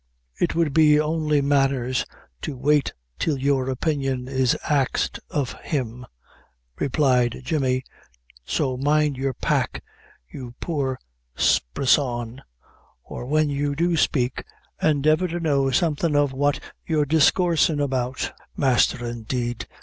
"It would be only manners to wait till your opinion is axed of him," replied Jemmy; "so mind your pack, you poor sprissaun, or when you do spake, endeavor to know something of what you're discoorsin' about. Masther, indeed!